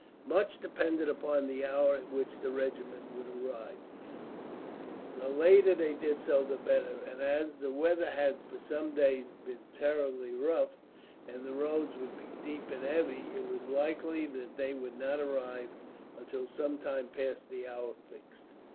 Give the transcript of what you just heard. Much depended upon the hour at which the regiment would arrive. The later they did so the better, and as the weather had for some days been terribly rough, and the roads would be deep and heavy, it was likely that they would not arrive until some time past the hour fixed.